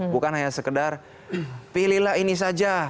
bukan hanya sekedar pilihlah ini saja